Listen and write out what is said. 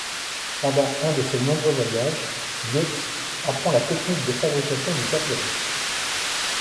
Pendant un de ses nombreux voyages, Goetz apprend la technique de fabrication du papyrus.